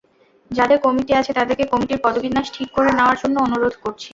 যাদের কমিটি আছে, তাদেরকে কমিটির পদবিন্যাস ঠিক করে নেওয়ার জন্য অনুরোধ করছি।